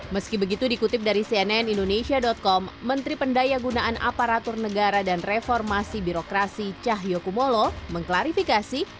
meski begitu dikutip dari cnn indonesia com menteri pendaya gunaan aparatur negara dan reformasi birokrasi cahyokumolo mengklarifikasi